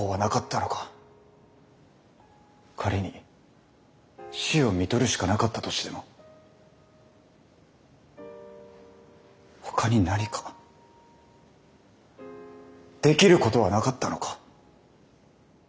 仮に死をみとるしかなかったとしてもほかに何かできることはなかったのか。